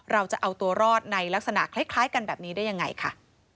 เราจะเอาตัวรอดในลักษณะคล้ายกันแบบนี้ได้ยังไงค่ะ